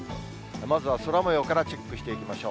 まずは空もようからチェックしていきましょう。